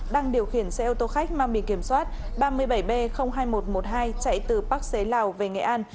đang điều khiển xe ô tô khách mang bị kiểm soát ba mươi bảy b hai nghìn một trăm một mươi hai chạy từ bắc xế lào về nghệ an